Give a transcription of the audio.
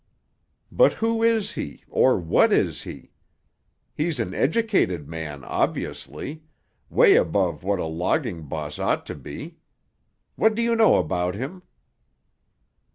"But who is he, or what is he? He's an educated man, obviously—'way above what a logging boss ought to be. What do you know about him?"